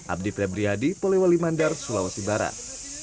abdi febriyadi polewali mandar sulawesi barat